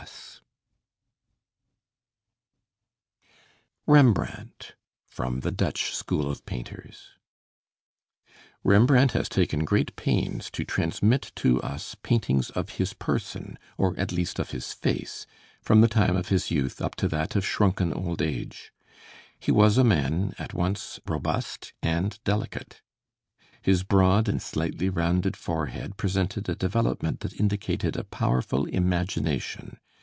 ] REMBRANDT From 'The Dutch School of Painters' Rembrandt has taken great pains to transmit to us paintings of his person, or at least of his face, from the time of his youth up to that of shrunken old age. He was a man at once robust and delicate. His broad and slightly rounded forehead presented a development that indicated a powerful imagination.